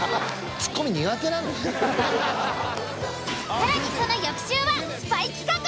更にその翌週はスパイ企画！